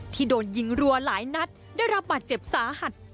โดนยิงรัวหลายนัดได้รับบาดเจ็บสาหัส